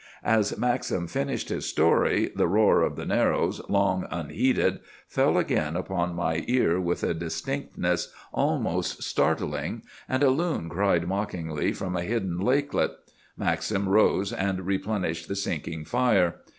"As Maxim finished his story, the roar of the Narrows, long unheeded, fell again upon my ear with a distinctness almost startling, and a loon cried mockingly from a hidden lakelet. Maxim rose, and replenished the sinking fire.